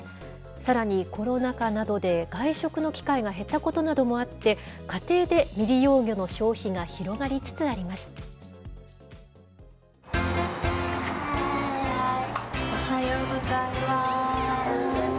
さらに、コロナ禍などで外食の機会が減ったことなどもあって、家庭で未利用魚の消費が広がりつつあります。